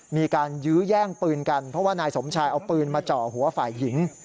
มีการยื้อแย่งปืนกันเพราะว่านายสมชายเอาปืนมาจ่อหัวฝ่ายหญิง